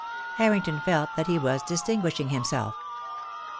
Harrington felt that he was distinguishing himself.